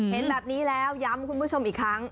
เห็นแบบนี้แล้วย้ำคุณผู้ชมอีกครั้ง